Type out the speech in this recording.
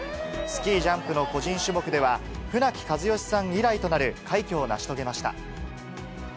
スキージャンプの個人種目では、船木和喜さん以来となる快挙を成し遂げました。